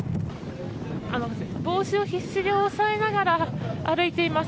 帽子を必死に押さえながら歩いています。